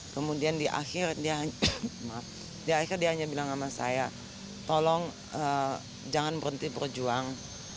kemudian di akhir dia hanya bilang sama saya tolong jangan berhenti berjuang